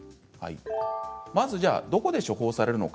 まず、どこで処方されるのか？